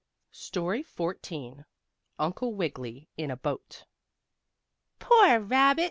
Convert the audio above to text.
STORY XIV UNCLE WIGGILY IN A BOAT "Poor rabbit!"